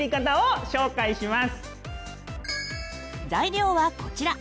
材料はこちら。